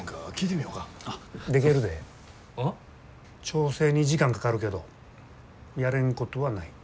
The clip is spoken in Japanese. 調整に時間かかるけどやれんことはない。